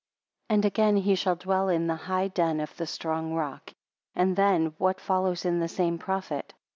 6 And again: he shall dwell in the high den of the strong rock. And then, what follows in the same prophet?